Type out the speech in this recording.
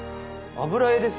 油絵です。